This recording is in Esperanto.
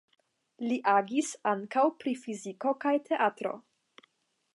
Li agis ankaŭ pri fiziko kaj teatro.